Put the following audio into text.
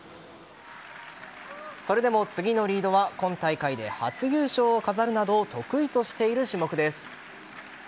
それでも次のリードは今大会で初優勝を飾るなど得意としている種目です。